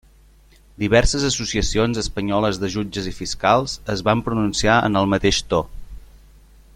Diverses associacions espanyoles de jutges i fiscals es van pronunciar en el mateix to.